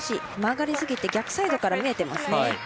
曲がりすぎて、逆サイドから見えていますね。